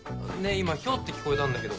今ヒョウって聞こえたんだけど。